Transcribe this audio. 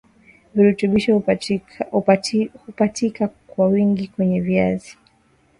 Virutubisho hupatika kwa wingi kwenye viazi